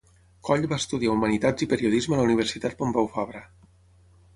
Coll va estudiar humanitats i periodisme a la Universitat Pompeu Fabra.